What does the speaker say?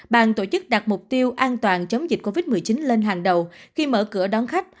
bàn tổ chức đặt mục tiêu an toàn chống dịch covid một mươi chín lên hàng đầu khi mở cửa đón khách